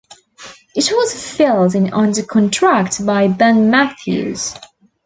It was filled in under contract by Ben Mathews.